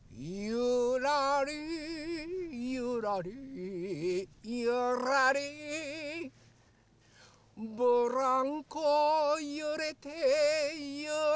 「ゆらりゆらりゆらり」「ブランコゆれてゆらり」と。